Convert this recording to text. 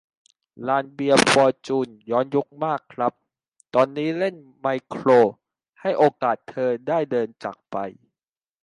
ลานเบียร์ฟอร์จูนย้อนยุคมากครับ ตอนนี้เล่นไมโคร "ให้โอกาสเธอ ได้เดินจากไป "